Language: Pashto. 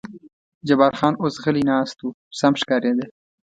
جبار خان اوس غلی ناست و، سم ښکارېده.